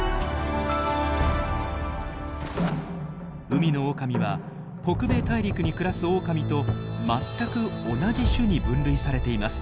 海のオオカミは北米大陸に暮らすオオカミと全く同じ種に分類されています。